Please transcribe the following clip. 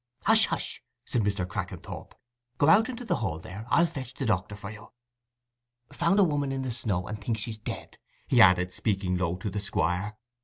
"Hush, hush!" said Mr. Crackenthorp. "Go out into the hall there. I'll fetch the doctor to you. Found a woman in the snow—and thinks she's dead," he added, speaking low to the Squire.